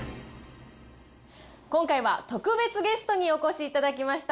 今回は特別ゲストにお越しいただきました。